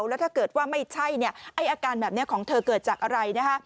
แล้วถ้าเกิดว่าไม่ใช่อาการแบบนี้ของเธอเกิดจากอะไรนะฮะ